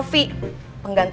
itu dia angkat